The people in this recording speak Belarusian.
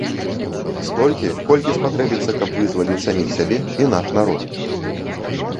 Столькі, колькі спатрэбіцца, каб вызваліць саміх сябе і наш народ.